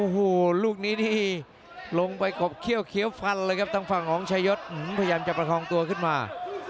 โหลูกนี้ลงไปเขี้ยวฟันเลยครับทางฝั่งองค์ชายศพยายามจะประคองตัวขึ้นมา